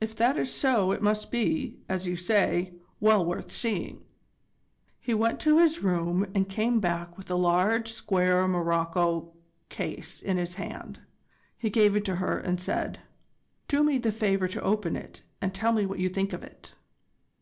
"If that is so it must be, as you say, well worth seeing." He went to his room and came back with a large square morocco case in his hand. He gave it to her, and said: "Do me the favour to open it, and tell me what you think of it."